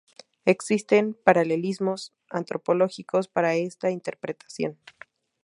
Existen paralelismos antropológicos para esta interpretación.